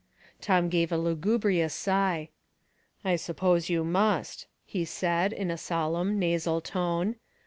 Tom gave a lugubrious sigh. " I suppose you must," he said, in a solemn, nasal tone.